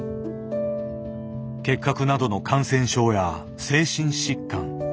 結核などの感染症や精神疾患。